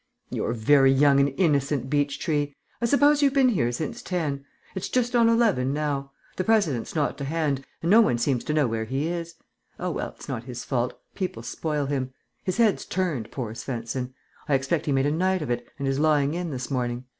"You're very young and innocent, Beechtree. I suppose you've been here since ten. It's just on eleven now. The President's not to hand and no one seems to know where he is. Oh, well, it's not his fault; people spoil him. His head's turned, poor Svensen. I expect he made a night of it and is lying in this morning.